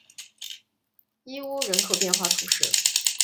伊乌人口变化图示